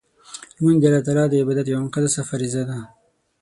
لمونځ د الله تعالی د عبادت یوه مقدسه فریضه ده.